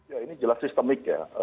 ya ini jelas sistemik ya